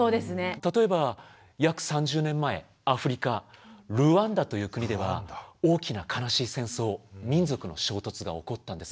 例えば約３０年前アフリカルワンダという国では大きな悲しい戦争民族の衝突が起こったんです。